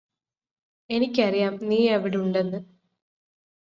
എനിക്കറിയാം നീയവിടുണ്ടെന്ന്